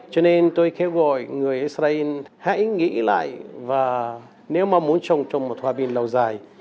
cho nên tôi kêu gọi người israel hãy nghĩ lại và nếu mong muốn trồng trong một hòa bình lâu dài